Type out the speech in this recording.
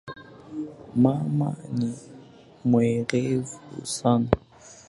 Mama ni mwerevu sana.